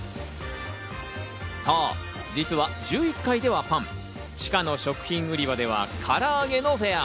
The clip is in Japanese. そう、実は１１階ではパン、地下の食品売り場では、からあげのフェア。